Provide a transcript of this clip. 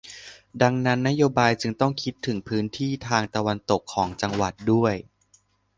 ดังนั้นนโยบายจึงต้องคิดถึงพื้นที่ทางตะวันตกของจังหวัดด้วย